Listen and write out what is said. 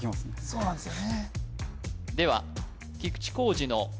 そうなんですよ